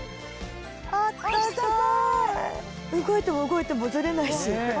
動いても動いてもズレないし。